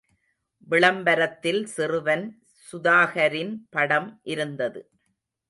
விளம்பரத்தில் சிறுவன் சுதாகரின் படம் இருந்தது.